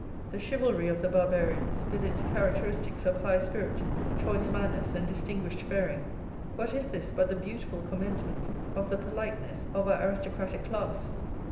The chivalry of the Barbarians, with its characteristics of high spirit, choice manners, and distinguished bearing, what is this but the beautiful commencement of the politeness of our aristocratic class?